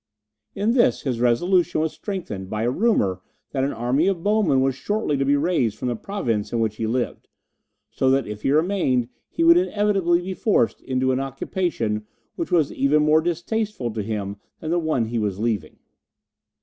In this his resolution was strengthened by a rumour that an army of bowmen was shortly to be raised from the Province in which he lived, so that if he remained he would inevitably be forced into an occupation which was even more distasteful to him than the one he was leaving.